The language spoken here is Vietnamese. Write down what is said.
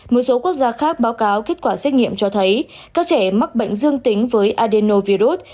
một số quốc gia khác báo cáo kết quả xét nghiệm cho thấy các trẻ em mắc bệnh dương tính với adenovirus